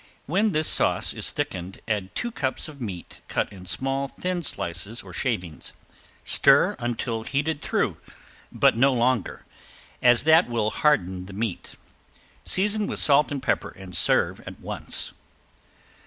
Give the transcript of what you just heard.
When this sauce is thickened add two cups of meat cut in small, thin slices or shavings. Stir until heated through and no longer, as that will harden the meat. Season with salt and pepper, and serve at once.